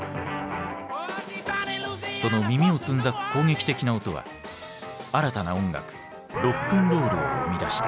その耳をつんざく攻撃的な音は新たな音楽ロックンロールを生みだした。